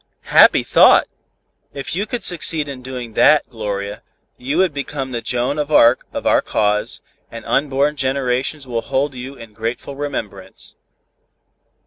"Happy thought! If you succeed in doing that, Gloria, you will become the Joan d'Arc of our cause, and unborn generations will hold you in grateful remembrance."